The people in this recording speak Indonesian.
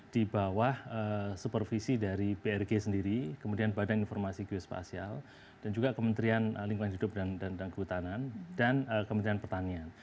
di bawah supervisi dari brg sendiri kemudian badan informasi geospasial dan juga kementerian lingkungan hidup dan kehutanan dan kementerian pertanian